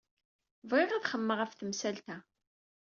Bɣiɣ ad xemmemeɣ ɣef temsalt-a.